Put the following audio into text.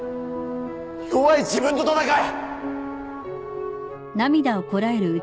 弱い自分と闘え！